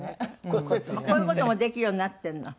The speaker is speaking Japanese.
こういう事もできるようになってるの？